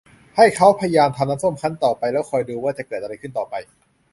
ให้เขาพยายามทำน้ำส้มคั้นต่อไปแล้วคอยดูอะไรจะเกิดขึ้นต่อไป